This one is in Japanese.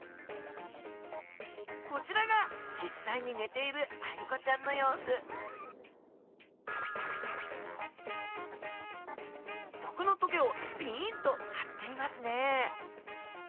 こちらが実際に寝ているアイゴちゃんの様子毒の棘をピンと張っていますね